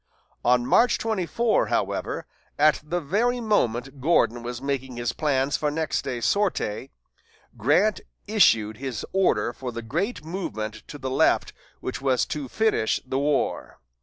On March 24, however, at the very moment Gordon was making his plans for next day's sortie, Grant issued his order for the great movement to the left which was to finish the war.